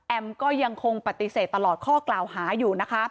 ก็ยังคงปฏิเสธตลอดข้อกล่าวหาอยู่นะคะ